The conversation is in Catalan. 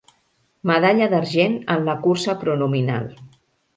Medalla d'argent en la cursa pronominal.